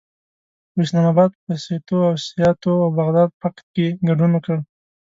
خو اسلام اباد په سیتو او سیاتو او بغداد پکت کې ګډون وکړ.